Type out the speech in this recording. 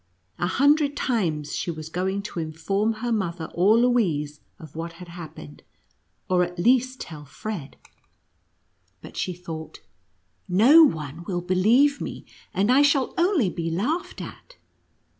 A hundred times she was going to inform her mother or Louise of what had happened, or at least to tell Fred, but she 96 miTCRACKER AND MOUSE KESTG. tliouglit :" No one will believe me, and I shall only be laughed at."